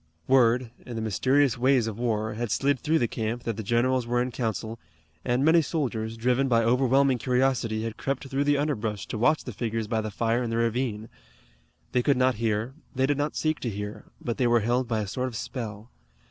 Word, in the mysterious ways of war, had slid through the camp that the generals were in council, and many soldiers, driven by overwhelming curiosity, had crept through the underbrush to watch the figures by the fire in the ravine. They could not hear, they did not seek to hear, but they were held by a sort of spell.